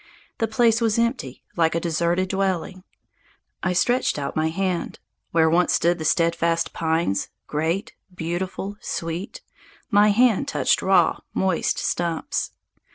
The place was empty, like a deserted dwelling. I stretched out my hand. Where once stood the steadfast pines, great, beautiful, sweet, my hand touched raw, moist stumps.